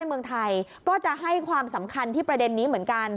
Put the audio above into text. เมืองไทยก็จะให้ความสำคัญที่ประเด็นนี้เหมือนกัน